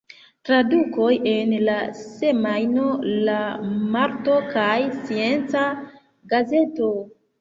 Tradukoj en "La Semajno", "La Marto" kaj "Scienca Gazeto".